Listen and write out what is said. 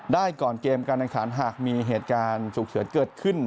ก่อนเกมการแข่งขันหากมีเหตุการณ์ฉุกเฉินเกิดขึ้น